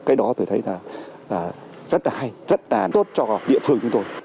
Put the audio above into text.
cái đó tôi thấy là rất là hay rất là tốt cho địa phương chúng tôi